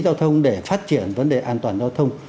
giao thông để phát triển vấn đề an toàn giao thông